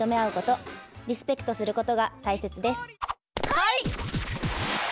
はい！